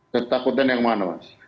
ketakutan yang mana mas